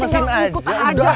tinggal ikutan aja